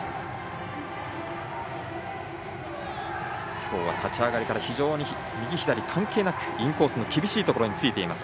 今日は立ち上がりから右左関係なくインコースの厳しいところについています